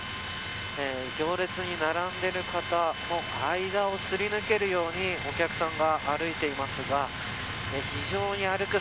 行列に並んでいる方の間をすり抜けるようにお客さんが歩いていますが非常に、歩く